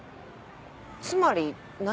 つまり何？